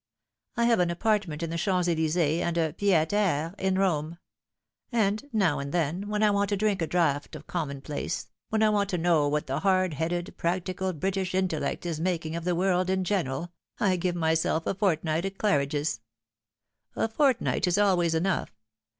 I have an apartment in the Champs Elysees and a pied a terre in Rome; and now and then, when I want to drink a draught of common place, when I want to know what the hard headed, practical British intellect is making of the world in general, I give myself a fortnight at Claridge's. A fortnight is always enough.